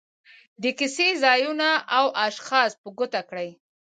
د کیسې ځایونه او اشخاص په ګوته کړي.